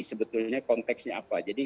sebetulnya konteksnya apa jadi